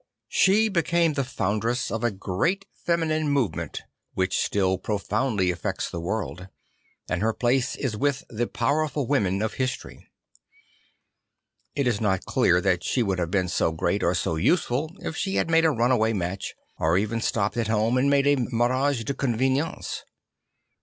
She became the foundress of a great feminine CJ'he CJ'hree Orders 12 9 movement which still profoundly affects the world; and her place is with the powerful women of history. It is not clear that she would have been so great or so useful if she had made a runaway match, or even stopped at home and made a mariage de convenance.